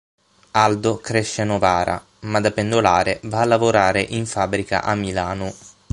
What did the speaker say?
Aldo cresce a Novara, ma da pendolare va a lavorare in fabbrica a Milano.